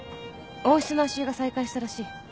温室の足湯が再開したらしい。